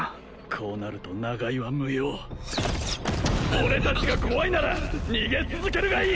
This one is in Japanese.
こうなると長居は無用俺達が怖いなら逃げ続けるがいい！